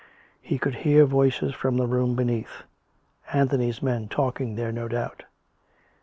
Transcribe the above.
He could hear voices from the room beneath — Anthony's men talking there no doubt.